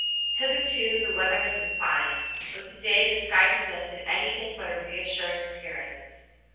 Hitherto the weather had been fine, but to day the sky presented anything but a reassuring appearance.